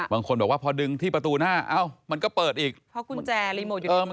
บางคนบอกว่าพอดึงที่ประตูหน้าเอ้ามันก็เปิดอีกเพราะกุญแจรีโมทอยู่